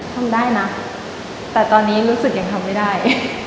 ทำได้นะแต่ตอนนี้รู้สึกยังทำไม่ได้